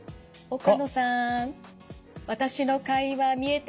岡野さん